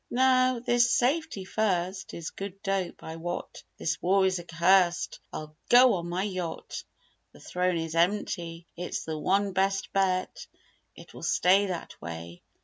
Now this 'safety first' Is good dope, I wot: This war is accursed I'll go on my yacht." The throne is empty: "It's the one best bet, It will stay that way!"